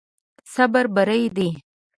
صبر بری دی.